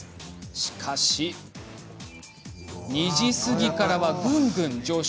しかし、２時すぎからはぐんぐん上昇。